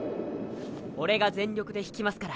オレが全力で引きますから。